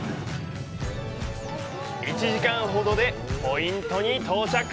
１時間ほどでポイントに到着。